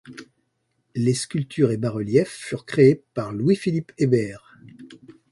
Les sculptures et bas-reliefs furent créés par Louis-Philippe Hébert.